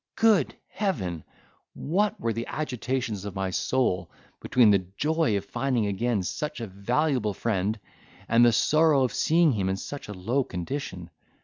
Good Heaven! what were the agitations of my soul, between the joy of finding again such a valuable friend, and the sorrow of seeing him in such a low condition!